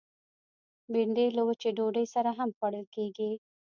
بېنډۍ له وچې ډوډۍ سره هم خوړل کېږي